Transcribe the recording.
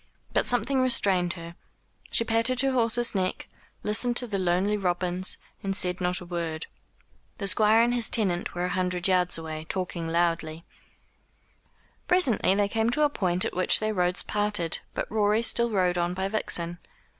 But something restrained her. She patted her horse's neck, listened to the lonely robins, and said not a word. The Squire and his tenant were a hundred yards ahead, talking loudly. Presently they came to a point at which their roads parted, but Rorie still rode on by Vixen.